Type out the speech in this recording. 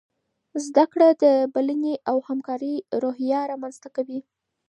زده کړه د بلنې او همکارۍ روحیه رامنځته کوي.